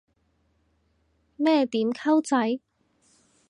咩點溝仔